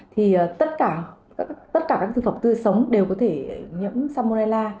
thì tất cả các thực phẩm tươi sống đều có thể nhiễm salmonella